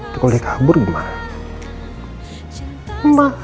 kalau dia kabur gimana